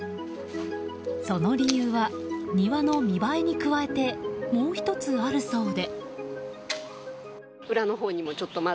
その理由は庭の見栄えに加えてもう１つあるそうで。